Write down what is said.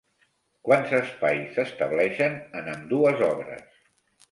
Quants espais s'estableixen en ambdues obres?